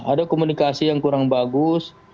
ada komunikasi yang kurang bagus